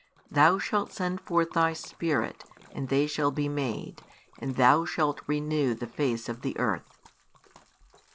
Thou shalt send forth Thy Spirit and they shall be made, and Thou shalt renew the face of the earth.